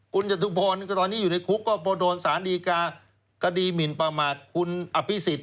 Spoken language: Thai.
คุณจัตทุปรณไงก็ตอนนี้อยู่ในคุกก็โปรโดลภารการศาลดีกากดีหมินประมาทคุณอภิษฐ